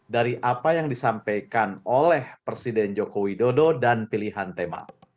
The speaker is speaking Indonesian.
dari apa yang disampaikan oleh presiden joko widodo dan pilihan tema